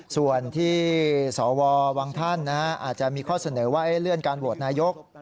ส่วนที่สวบางท่านอาจจะมีข้อเสนอว่าเลื่อนการโหวตนายก